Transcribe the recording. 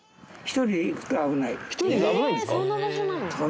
１人で行くと危ないんですか？